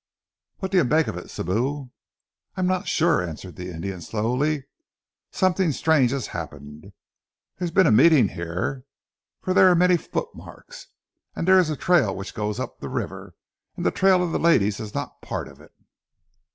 "What do you make of it, Sibou?" "I am not sure," answered the Indian slowly. "Something strange has happened. There has been a meeting here, for there are many footmarks, and there is a trail which goes up the river, and the trail of the ladies is not part of it."